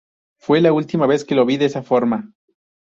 Fue la última vez que lo vi de esa forma".